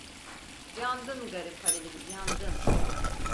Yandın garip Halil'im, yandın!